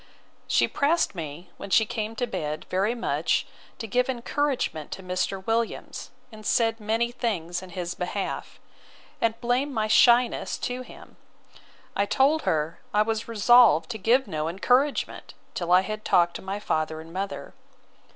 She pressed me, when she came to bed, very much, to give encouragement to Mr. Williams, and said many things in his behalf; and blamed my shyness to him. I told her, I was resolved to give no encouragement, till I had talked to my father and mother.